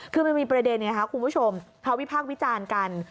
คือมันมีประเด็นไงครับคุณผู้ชมเขาวิพากษ์วิจารณ์กัน